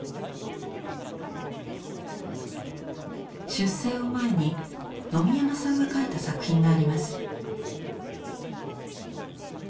出征を前に野見山さんが描いた作品があります。